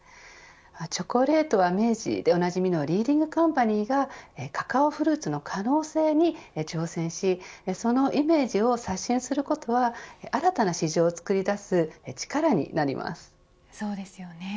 チョコレートは明治でおなじみのリーディングカンパニーがカカオフルーツの可能性に挑戦しそのイメージを刷新することは新たな市場を作り出す力になります。